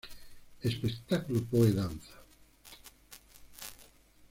Espectáculo Poe-danza.